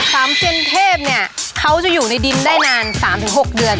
สามเซียนเทพเนี่ยเขาจะอยู่ในดินได้นาน๓๖เดือน